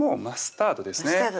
マスタードです